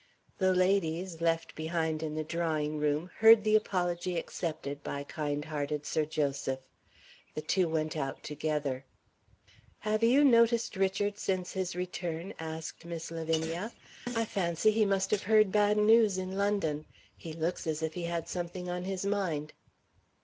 The ladies, left behind in the drawing room, heard the apology accepted by kind hearted Sir Joseph. The two went out together. "Have you noticed Richard since his return?" asked Miss Lavinia. "I fancy he must have heard bad news in London. He looks as if he had something on his mind."